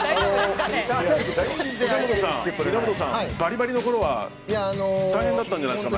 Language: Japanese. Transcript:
稲本さん、バリバリのころは大変だったんじゃないですか？